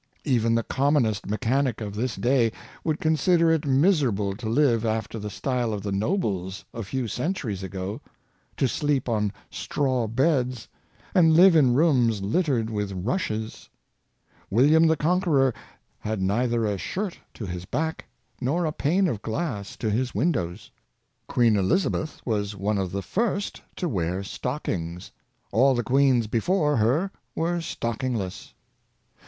Even the commonest mechanic of this day would consider it miserable to live after the style of the nobles a few centuries ago — to sleep on straw beds, and live in rooms littered with rushes. William the Conquerer had neither a shirt to his back nor a pane of glass to his windows. Queen Elizabeth was one of of the first to wear stockings. All the queens before her were stockingless.